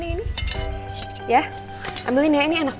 mungkin ini tidak permintaanku